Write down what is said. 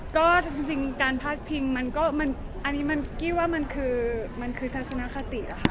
ก็จริงการพาดพิงมันก็อันนี้มันคิดว่ามันคือทัศนคตินะคะ